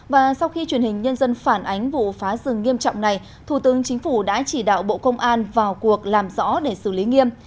và sau khi truyền hình nhân dân phản ánh vụ phá rừng nghiêm trọng này thủ tướng chính phủ đã chỉ đạo bộ công an vào cuộc làm rõ để xử lý nghiêm